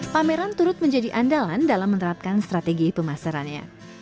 pameran turut menjadi andalan dalam menerapkan strategi pemasarannya